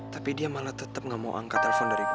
tapi dia malah tetap gak mau angkat telepon dari gue